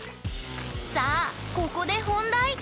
さあここで本題！